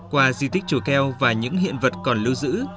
qua di tích chùa keo và những hiện vật còn lưu giữ